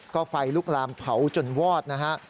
ก็ไฟลุกลามเผาจนวอดนะฮะ